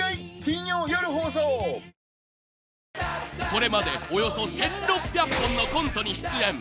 ［これまでおよそ１，６００本のコントに出演］